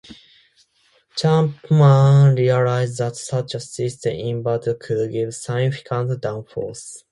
Chapman realised that such a system inverted could give significant downforce.